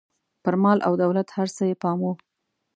پر مال او دولت هر څه یې پام و.